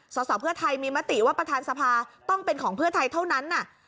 สอบเพื่อไทยมีมติว่าประธานสภาต้องเป็นของเพื่อไทยเท่านั้น